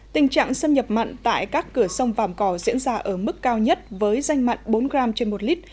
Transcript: tình trạng xâm nhập mặn tại các cửa sông vàm cỏ diễn ra ở mức cao nhất với danh mặn bốn g trên một lít